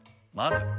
まず。